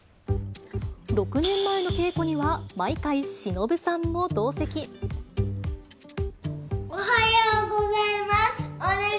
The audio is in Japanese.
６年前の稽古には、毎回、おはようございます。